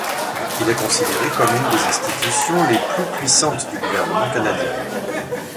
Il est considéré comme une des institutions les plus puissantes du gouvernement canadien.